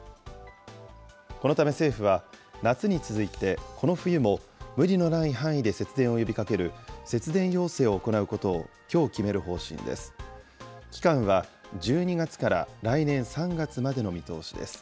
このため政府は、夏に続いて、この冬も、無理のない範囲で節電を呼びかける節電要請を行うことを、きょう決める方針です。